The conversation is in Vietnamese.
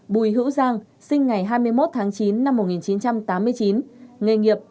bùi hữu giang sinh ngày hai mươi một tháng chín năm một nghìn chín trăm tám mươi chín nghề nghiệp